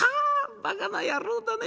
ばかな野郎だね。